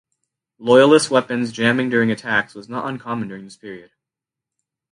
Loyalist weapons jamming during attacks was not uncommon during this period.